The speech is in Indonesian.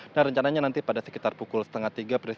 nah rencananya nanti pada sekitar pukul setengah tiga